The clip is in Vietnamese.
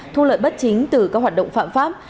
thu lợi bất chính từ các hoạt động phạm pháp